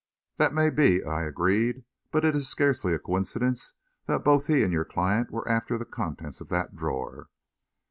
"That may be," I agreed, "but it is scarcely a coincidence that both he and your client were after the contents of that drawer."